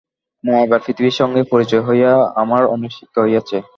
মা, এবার পৃথিবীর সঙ্গে পরিচয় হইয়া আমার অনেক শিক্ষা হইয়াছে।